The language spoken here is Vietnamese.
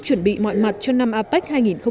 chuẩn bị mọi mặt cho năm apec hai nghìn một mươi bảy